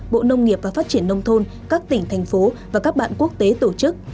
bộ nông nghiệp và phát triển nông thôn các tỉnh thành phố và các bạn quốc tế tổ chức